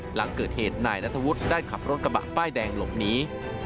หลังเกิดเหตุนายนัทวุฒิได้ขับรถกระบะป้ายแดงหลบหนี